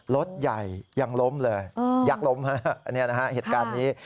รถใหญ่ยังล้มเลยยักษ์ล้มฮะอันนี้นะฮะเหตุการณ์นี้